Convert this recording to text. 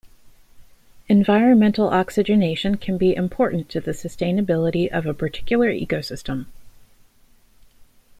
Environmental oxygenation can be important to the sustainability of a particular ecosystem.